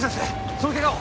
そのケガは？